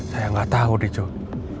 saya gak tau deh joe